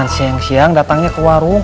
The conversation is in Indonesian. siang siang datangnya ke warung